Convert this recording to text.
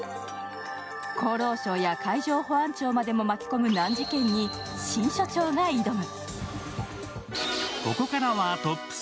厚労省や海上保安庁までも巻き込む難事件に新署長が挑む。